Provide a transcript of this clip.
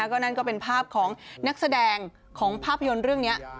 ก็นั่นก็เป็นภาพของนักแสดงของภาพยนตร์เรื่องนี้